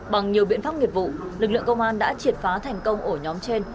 bằng nhiều biện pháp nghiệp vụ lực lượng công an đã triệt phá thành công ổ nhóm trên